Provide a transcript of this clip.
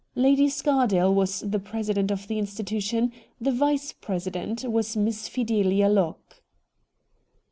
Lady Scardale was the president of the institution ; the vice president was Miss Fidelia Locke.